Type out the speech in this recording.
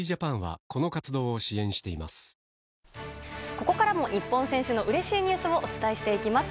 ここからも日本選手のうれしいニュースをお伝えしていきます。